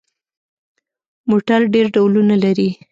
موټر ډېر ډولونه لري.